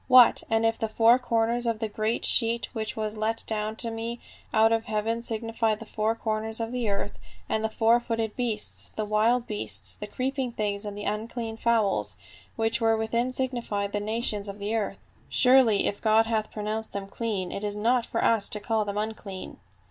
"What and if the four corners of the great sheet which was let down to me out of heaven signified the four corners of the earth ; and the. four footed beasts, the wild beasts, the creeping things and the unclean fowls which were within signified the nations of the earth ? Surely if God hath pronounced them clean, it is not for us to call them unclean."